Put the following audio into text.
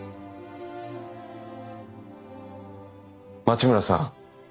町村さん